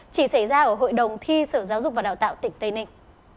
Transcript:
chỉ xảy ra ở hội đồng thi sở giáo dục và đào tạo tỉnh tây ninh